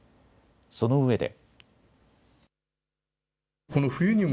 そのうえで。